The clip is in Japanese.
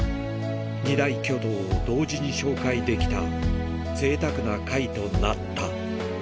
２大巨頭を同時に紹介できた、ぜいたくな回となった。